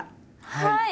はい！